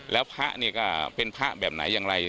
แล้วพระเป็นพระแบบไหนอย่างไร